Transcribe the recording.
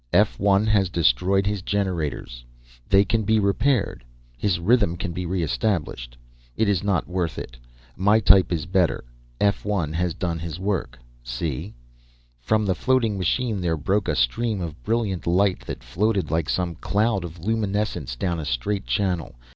"F 1 has destroyed his generators. They can be repaired; his rhythm can be re established. It is not worth it, my type is better. F 1 has done his work. See." From the floating machine there broke a stream of brilliant light that floated like some cloud of luminescence down a straight channel.